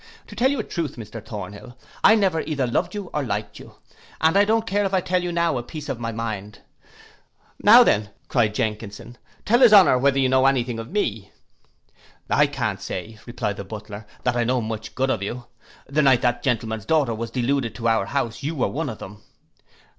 To tell you a truth, Master Thornhill, I never either loved you or liked you, and I don't care if I tell you now a piece of my mind.'—'Now then,' cried Jenkinson, 'tell his honour whether you know any thing of me.'—'I can't say,' replied the butler, 'that I know much good of you. The night that gentleman's daughter was deluded to our house, you were one of them.